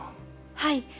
はい。